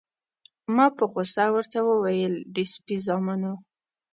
ما په غوسه ورته وویل: د سپي زامنو.